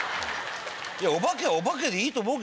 お化けはお化けでいいと思う。